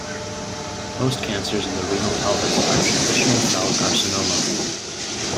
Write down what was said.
Most cancers in the renal pelvis are transitional cell carcinoma.